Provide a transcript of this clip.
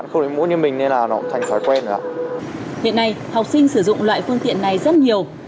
hiện nay học sinh sử dụng loại phương tiện này rất nhiều